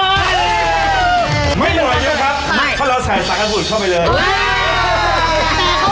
ไม่หน่อยเยอะครับมารับข้าวแล้วใส่สาขพูดเข้าไปเลย